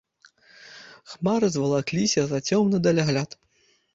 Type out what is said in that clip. Хмары звалакліся за цёмны далягляд.